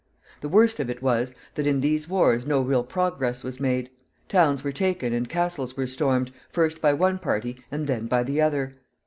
The worst of it was, that in these wars no real progress was made. Towns were taken and castles were stormed, first by one party and then by the other.